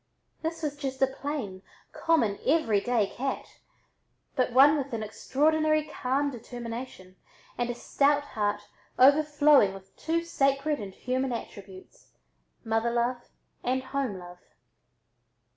This was just a plain, common everyday cat, but one with an extraordinary calm determination and a stout heart overflowing with two sacred and human attributes, mother love and home love.